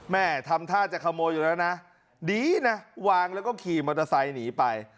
แม่ทำท่าจะขโมยอยู่แล้วนะดีนะวางแล้วก็ขี่มอเตอร์ไซค์หนีไป